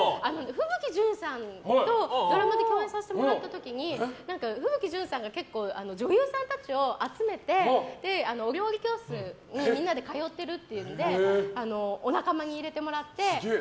風吹ジュンさんとドラマで共演させてもらった時に風吹ジュンさんが結構、女優さんたちを集めてお料理教室にみんなで通っているって言ってお仲間に入れてもらって。